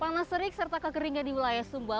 panas terik serta kekeringan di wilayah sumba